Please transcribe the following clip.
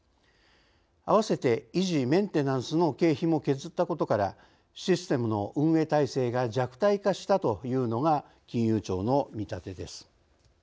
併せて維持・メンテナンスの経費も削ったことからシステムの運営態勢が弱体化したというのが金融庁の見立てです。